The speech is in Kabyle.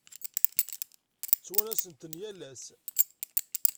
Ttwanasen-ten yal ass.